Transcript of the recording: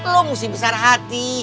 lo musim besar hati